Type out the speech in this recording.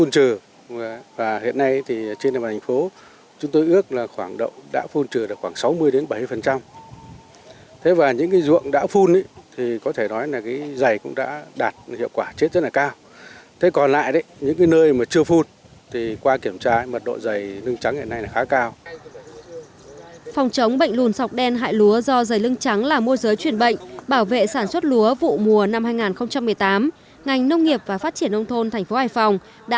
theo kiểm tra của sở nông nghiệp và phát triển nông thôn tp hải phòng